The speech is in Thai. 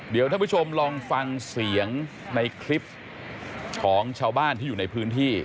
เดี๋ยวท่านผู้ชมลองฟังเสียงในคลิปของชาวบ้านที่อยู่ในพื้นที่